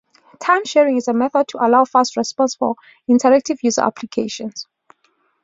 Time-sharing is a method to allow fast response for interactive user applications.